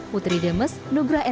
putri demes menunjukkan